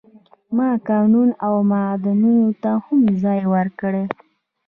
ما کانونو او معادنو ته هم ځای ورکړ.